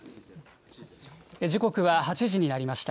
時刻は８時になりました。